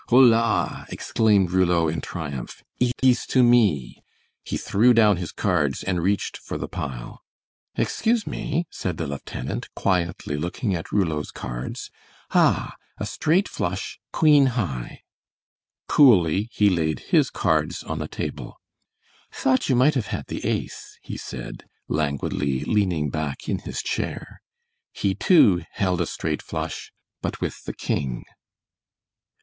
"Hola!" exclaimed Rouleau in triumph. "Eet ees to me!" He threw down his cards and reached for the pile. "Excuse me," said the lieutenant, quietly looking at Rouleau's cards. "Ah, a straight flush, queen high." Coolly he laid his cards on the table. "Thought you might have had the ace," he said, languidly, leaning back in his chair. He, too, held a straight flush, but with the king.